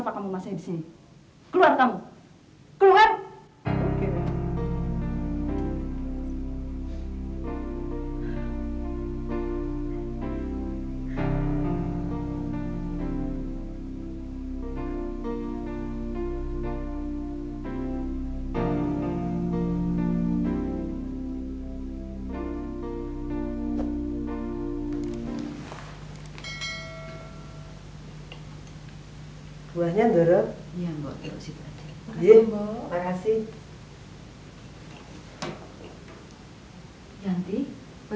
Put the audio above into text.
kalau memang tidak ada apa apa